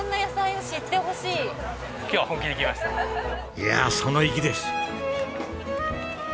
いやその意気です。